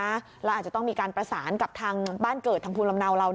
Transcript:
แล้วอาจจะต้องมีการประสานกับทางบ้านเกิดทางภูมิลำเนาเรา